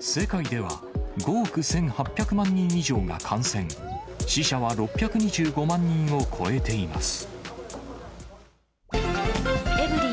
世界では、５億１８００万人以上が感染、死者は６２５万人を超えています。